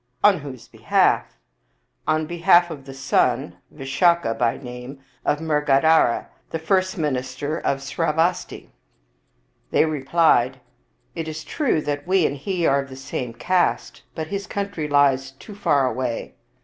"On whose behalf?" " On behalf of the son, Visakha by name, of Mrgadhara, the first minister of Sravasti." 52 Visakha They replied, " It is true that we and he are of the same caste, but his country lies too far away."